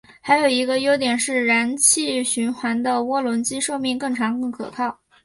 还有一个优点是燃气循环的涡轮机寿命更长更可靠。